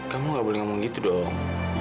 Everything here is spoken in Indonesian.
kamu gak boleh ngomong gitu dong